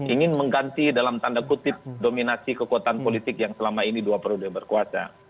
ingin mengganti dalam tanda kutip dominasi kekuatan politik yang selama ini dua periode berkuasa